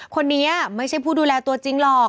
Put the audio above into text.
คนนี้ไม่ใช่ผู้ดูแลตัวจริงหรอก